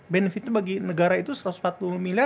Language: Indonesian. benefit itu bagi negara itu satu ratus empat puluh miliar